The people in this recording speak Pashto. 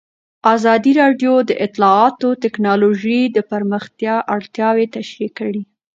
ازادي راډیو د اطلاعاتی تکنالوژي د پراختیا اړتیاوې تشریح کړي.